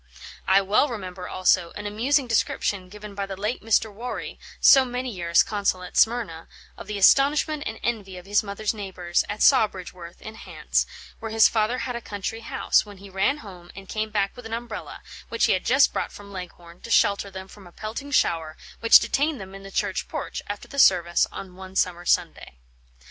I well remember, also, an amusing description given by the late Mr. Warry, so many years consul at Smyrna, of the astonishment and envy of his mother's neighbours, at Sawbridgeworth, in Hants, where his father had a country house, when he ran home and came back with an umbrella, which he had just brought from Leghorn, to shelter them from a pelting shower which detained them in the church porch, after the service, on one summer Sunday.